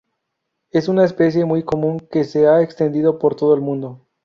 Es una especie muy común que se ha extendido por todo el mundo.